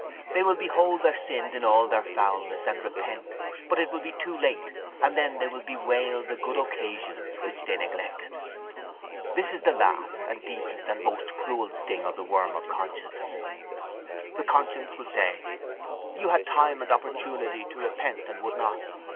They will behold their sins in all their foulness and repent but it will be too late and then they will bewail the good occasions which they neglected. This is the last and deepest and most cruel sting of the worm of conscience. The conscience will say: You had time and opportunity to repent and would not.